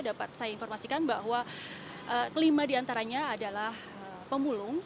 dapat saya informasikan bahwa kelima diantaranya adalah pemulung